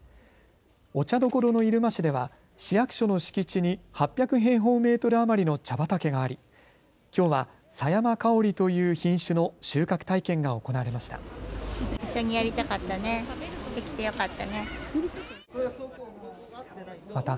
お茶どころの入間市では市役所の敷地に８００平方メートル余りの茶畑があり、きょうはさやまかおりという品種の収穫体験が行われました。